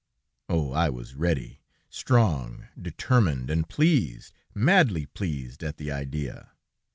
Oh! I was ready, strong, determined, and pleased, madly pleased at the idea.